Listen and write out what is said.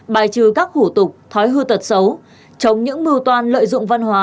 bài trừ các hủ tục thói hư tật xấu chống những mưu toan lợi dụng văn hóa